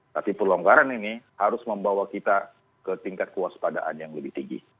tapi pelonggaran ini harus membawa kita ke tingkat kewaspadaan yang lebih tinggi